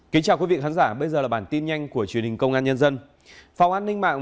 kính chào quý vị khán giả bây giờ là bản tin nhanh của truyền hình công an nhân dân phòng an ninh mạng